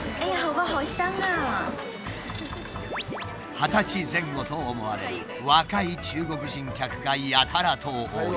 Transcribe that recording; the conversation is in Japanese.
二十歳前後と思われる若い中国人客がやたらと多い。